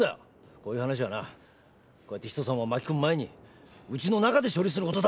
こういう話はなこうやって人様を巻き込む前にウチの中で処理することだろうが！